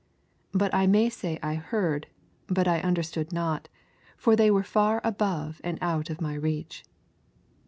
But I may say I heard, but I understood not, for they were far above and out of my reach